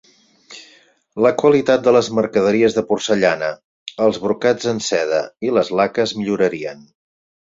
La qualitat de les mercaderies de porcellana, els brocats en seda i les laques millorarien.